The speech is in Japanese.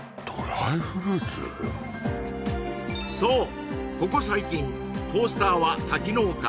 そうここ最近トースターは多機能化